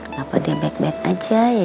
nah baru kita baru segala galaixa